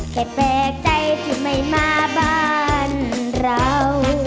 แปลกใจที่ไม่มาบ้านเรา